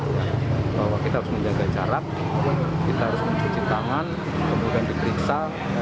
bahwa kita harus menjaga jarak kita harus mencuci tangan kemudian diperiksa